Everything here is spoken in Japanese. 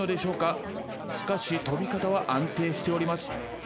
しかし飛び方は安定しております。